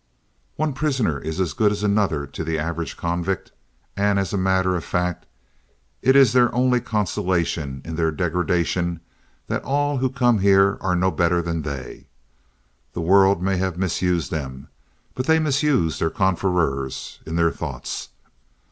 One prisoner is as good as another to the average convict; as a matter of fact, it is their only consolation in their degradation that all who come here are no better than they. The world may have misused them; but they misuse their confreres in their thoughts.